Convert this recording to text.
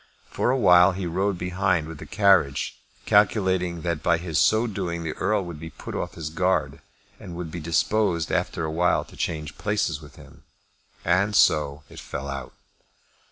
For awhile he rode behind with the carriage, calculating that by his so doing the Earl would be put off his guard, and would be disposed after awhile to change places with him. And so it fell out.